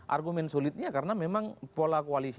argumen sulitnya karena memang pola koalisi